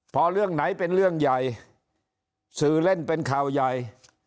พอเรื่องไหนเป็นเรื่องใหญ่สื่อเล่นเป็นข่าวใหญ่